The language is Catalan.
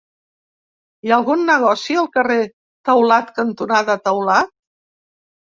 Hi ha algun negoci al carrer Taulat cantonada Taulat?